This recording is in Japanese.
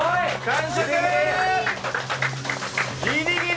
ギリギリ。